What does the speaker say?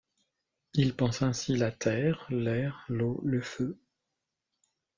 Il pense ainsi la terre, l'air, l'eau, le feu.